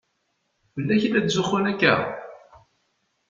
Fell-ak i la tzuxxun akka?